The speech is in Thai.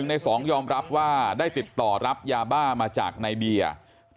ใน๒ยอมรับว่าได้ติดต่อรับยาบ้ามาจากในเบียร์